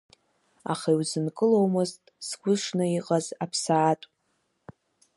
Аха иузынкыломызт згәы шны иҟаз аԥсаатә.